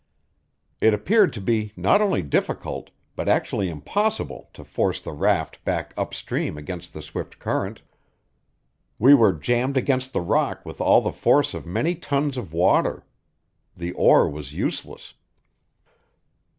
It appeared to be not only difficult, but actually impossible to force the raft back up stream against the swift current. We were jammed against the rock with all the force of many tons of water. The oar was useless.